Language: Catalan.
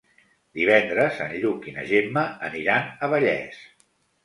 Divendres en Lluc i na Gemma aniran a Vallés.